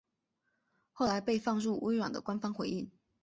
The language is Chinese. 后来被放入微软的官方回应。